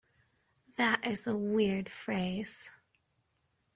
That is a weird phrase.